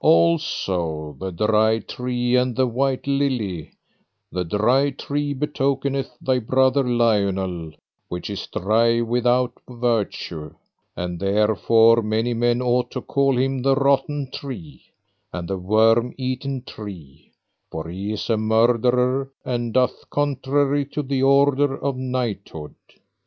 Also the dry tree and the white lily: the dry tree betokeneth thy brother Lionel, which is dry without virtue, and therefore many men ought to call him the rotten tree, and the worm eaten tree, for he is a murderer and doth contrary to the order of knighthood.